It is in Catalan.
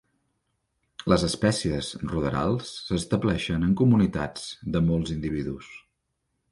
Les espècies ruderals s'estableixen en comunitats de molts individus.